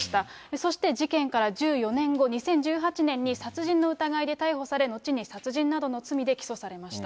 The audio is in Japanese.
そして、事件から１４年後、２０１８年に殺人の疑いで逮捕され、後に殺人などの罪で起訴されました。